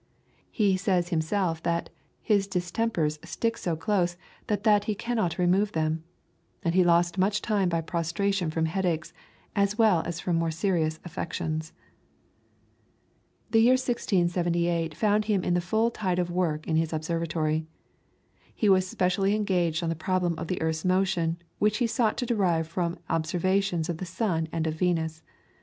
He says himself that "his distempers stick so close that that he cannot remove them," and he lost much time by prostration from headaches, as well as from more serious affections. The year 1678 found him in the full tide of work in his observatory. He was specially engaged on the problem of the earth's motion, which he sought to derive from observations of the sun and of Venus.